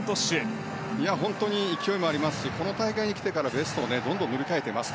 勢いもありますしこの大会に来てからベストをどんどん塗り替えています。